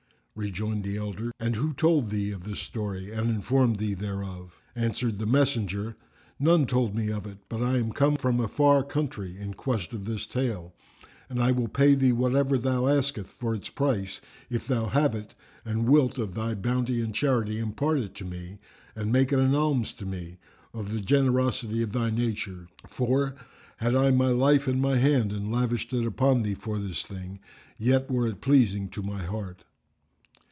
Rejoined the elder, "And who told thee of this story and informed thee thereof?" Answered the messenger, "None told me of it, but I am come from a far country, in quest of this tale, and I will pay thee whatever thou askest for its price if thou have it and wilt, of thy bounty and charity, impart it to me and make it an alms to me, of the generosity of thy nature for, had I my life in my hand and lavished it upon thee for this thing, yet were it pleasing to my heart."